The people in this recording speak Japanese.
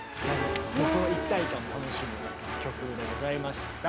その一体感を楽しむ曲でございました。